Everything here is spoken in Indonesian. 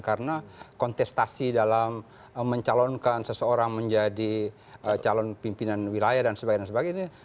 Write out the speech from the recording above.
karena kontestasi dalam mencalonkan seseorang menjadi calon pimpinan wilayah dan sebagainya